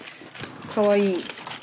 かわいい。